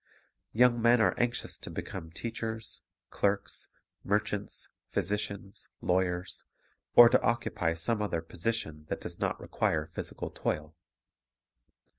Young men are anxious to become teachers, clerks, merchants, physicians, lawyers, or to occupy some other position that does not require phys ical toil.